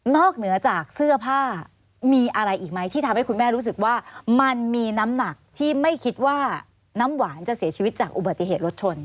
เหนือจากเสื้อผ้ามีอะไรอีกไหมที่ทำให้คุณแม่รู้สึกว่ามันมีน้ำหนักที่ไม่คิดว่าน้ำหวานจะเสียชีวิตจากอุบัติเหตุรถชน